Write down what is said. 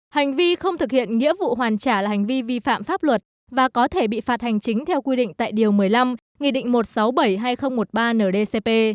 hành vi không thực hiện nghĩa vụ hoàn trả là hành vi vi phạm pháp luật và có thể bị phạt hành chính theo quy định tại điều một mươi năm nghị định một trăm sáu mươi bảy hai nghìn một mươi ba ndcp